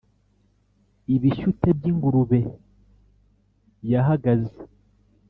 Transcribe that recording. ibishyute by ingurube yahagaze